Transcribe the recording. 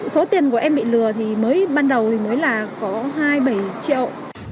số tiền của em bị lừa thì mới ban đầu thì mới là có hai bảy triệu